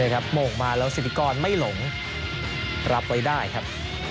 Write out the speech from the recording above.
โมงมาแล้วสิทธิกรไม่หลงรับไว้ได้ครับ